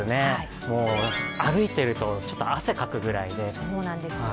歩いていると、ちょっと汗かくぐらいで。